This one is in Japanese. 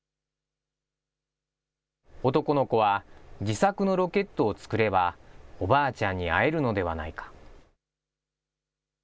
男の子は、自作のロケットを作れば、おばあちゃんに会えるのではないか。